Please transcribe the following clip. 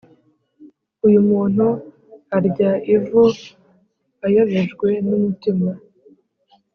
Uyu muntu arya ivu ayobejwe n umutima